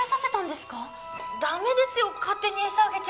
駄目ですよ勝手に餌あげちゃ。